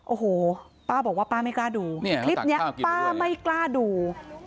โอ้โหป้าบอกว่าป้าไม่กล้าดูคลิปนี้ป้าไม่กล้าดู